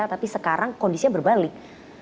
tapi sekarang kondisinya berbalik